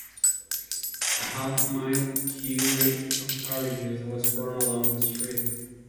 A half-mile queue of carriages was formed along the street.